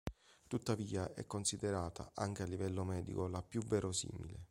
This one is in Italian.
Tuttavia è considerata anche a livello medico la più verosimile.